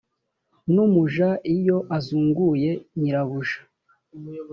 n umuja iyo azunguye nyirabuja